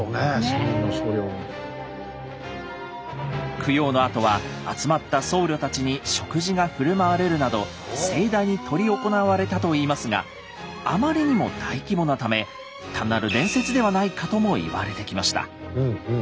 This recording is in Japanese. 供養のあとは集まった僧侶たちに食事が振る舞われるなど盛大に執り行われたといいますがあまりにも大規模なため単なる伝説ではないかとも言われてきました。